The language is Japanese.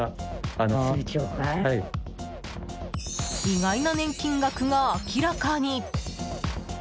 意外な年金額が明らかに。